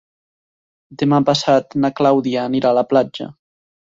Demà passat na Clàudia anirà a la platja.